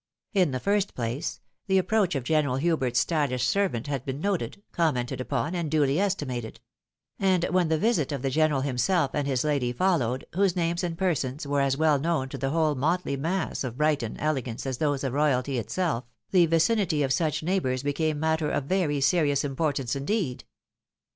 In the first place, the approach of General Hubert's styhsh servant had been noted, commented upon, and duly estimated ; and when the visit of the general himself and his lady followed, whose names and persons were as well known to the whole motley mass of Brighton elegance as those of royalty itself, the vicinity of such neighbours became matter of very serious im portance indeed.